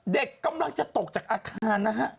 เด็กกำลังจะตกจากอาคารนะฮะ